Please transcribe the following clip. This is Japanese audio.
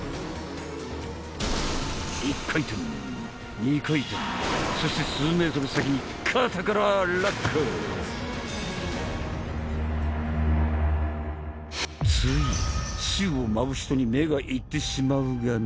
１回転２回転そして数メートル先に肩から落下つい宙を舞う人に目がいってしまうがね